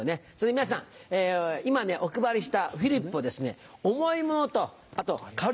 皆さん今お配りしたフリップを重いものとあと軽いもの